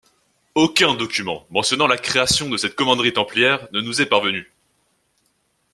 Aucun document mentionnant la création de cette commanderie templière ne nous est parvenu.